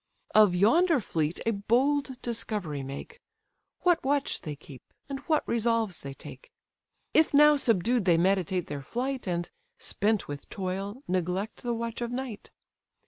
Of yonder fleet a bold discovery make, What watch they keep, and what resolves they take? If now subdued they meditate their flight, And, spent with toil, neglect the watch of night?